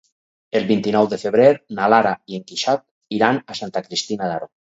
El vint-i-nou de febrer na Lara i en Quixot iran a Santa Cristina d'Aro.